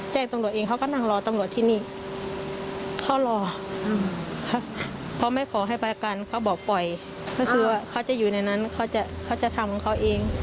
แจ้งตำรวจเองเขาก็นั่งรอตำรวจที่นี่เขารอเขาไม่ขอให้ไปกันเขาบอกปล่อยก็คือว่าเขาจะอยู่ในนั้นเขาจะทำของเขาเอง